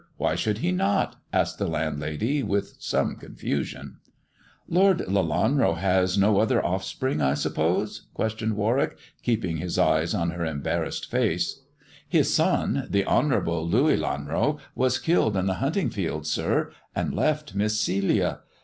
Why should he not ]" asked the land lady, with some confusion. THE dwarf's chamber 93 u Lord Lelanro has no other ojffspring, I suppose 1 " ques tioned Warwick, keeping his eye on her embarrassed face. " His son, the Honourable Louis Lelanro, was killed in the hunting field, sir, and left Miss Celia.